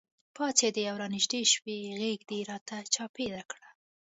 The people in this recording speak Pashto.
پاڅېدې او رانږدې شوې غېږ دې راته چاپېره کړه.